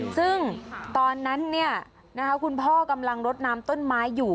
ซึ่งตอนนั้นคุณพ่อกำลังรดน้ำต้นไม้อยู่